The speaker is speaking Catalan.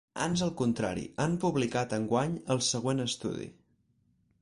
Ans al contrari, han publicat enguany el següent estudi.